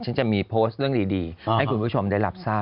ฉันจะมีโพสต์เรื่องดีให้คุณผู้ชมได้รับทราบ